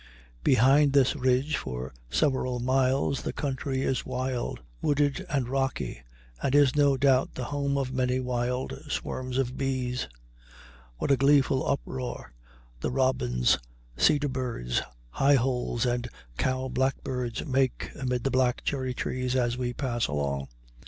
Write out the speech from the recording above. Behind this ridge for several miles the country is wild, wooded, and rocky, and is no doubt the home of many wild swarms of bees. What a gleeful uproar the robins, cedar birds, high holes, and cow blackbirds make amid the black cherry trees as we pass along!